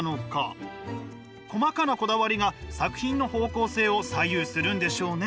細かなこだわりが作品の方向性を左右するんでしょうね？